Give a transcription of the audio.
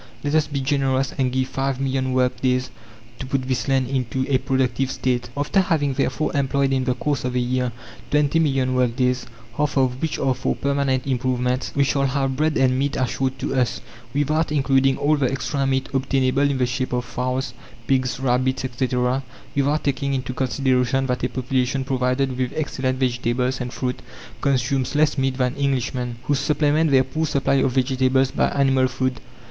Let us be generous and give five million work days to put this land into a productive state. After having therefore employed in the course of a year twenty million work days, half of which are for permanent improvements, we shall have bread and meat assured to us, without including all the extra meat obtainable in the shape of fowls, pigs, rabbits, etc.; without taking into consideration that a population provided with excellent vegetables and fruit consumes less meat than Englishmen, who supplement their poor supply of vegetables by animal food.